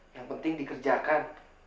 yang penting dikerjakan